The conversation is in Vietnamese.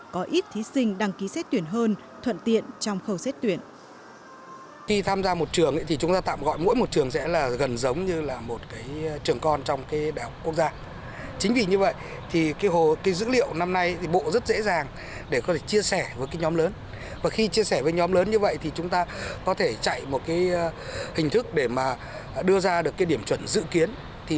có ít thí sinh đăng ký xét tuyển hơn thuận tiện trong khâu xét tuyển